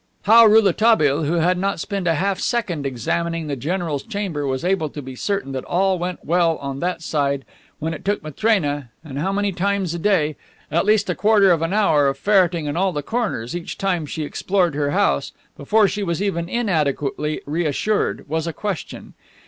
How Rouletabille, who had not spent half a second examining the general's chamber, was able to be certain that all went well on that side, when it took Matrena and that how many times a day! at least a quarter of an hour of ferreting in all the corners each time she explored her house before she was even inadequately reassured, was a question.